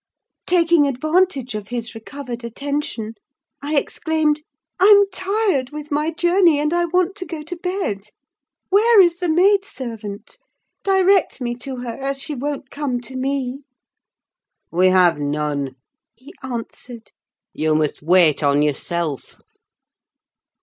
Taking advantage of his recovered attention, I exclaimed—"I'm tired with my journey, and I want to go to bed! Where is the maid servant? Direct me to her, as she won't come to me!" "We have none," he answered; "you must wait on yourself!"